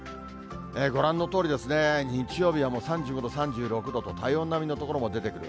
ご覧のとおりですね、日曜日は３５度、３６度と体温並みの所も出てくる。